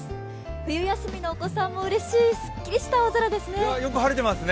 冬休みのお子さんもうれしいすっきりした青空ですね。